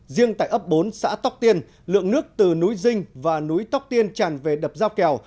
riêng tại ấp bốn xã tóc tiên lượng nước từ núi dinh và núi tóc tiên tràn về đập dao kèo